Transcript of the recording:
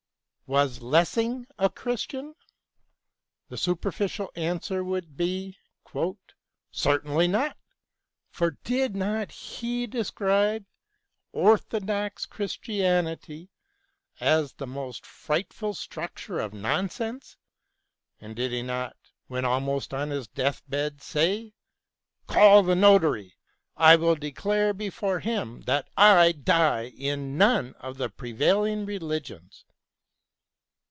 Was Lessing a Christian ? The superficial answer would be :" Certainly not ; for did not he describe ' orthodox Christianity ' as * the most frightful structure of nonsense,' and did he not, when almost on his deathbed, say, ' Call the notary. I will declare before him that I die in none of the prevailing religions